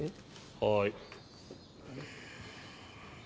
はい。